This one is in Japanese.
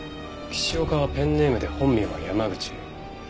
岸岡はペンネームで本名は山口。